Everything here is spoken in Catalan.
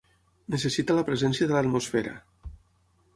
Necessita la presència de l'atmosfera.